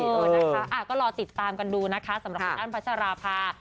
เออนะคะก็รอติดตามกันดูนะคะสำหรับคุณอ้ำพัชราภา